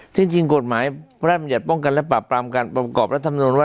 จริงจริงกฎหมายพระราชมันหยัดป้องกันและปราบปรามการปรับกรอบและทำนวณว่า